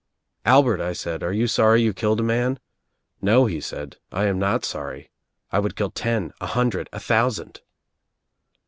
'Albert,' I said, 'are you sorry you Itilled a man?' 'No,' he said, 'I am not sorry. I would kill ten, a hundred, a thou sand!'